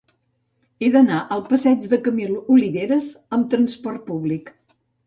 He d'anar al passatge de Camil Oliveras amb trasport públic.